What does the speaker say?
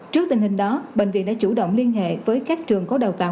trước tình hình đó bệnh viện đã chủ động liên hệ với các trường có đào tạo